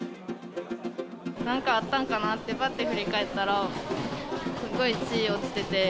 なんかあったのかなと、ぱっと振り返ったら、すごい血、落ちてて。